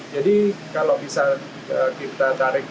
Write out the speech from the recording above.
jadi kalau bisa kita tarik